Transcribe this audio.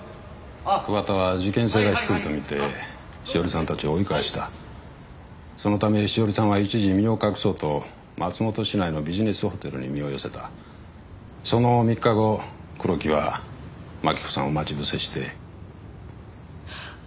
桑田は事件性が低いとみて栞さんたちを追い返したそのため栞さんは一時身を隠そうと松本市内のビジネスホテルに身を寄せたその３日後黒木は真紀子さんを待ち伏せしてあっ⁉ちょっと！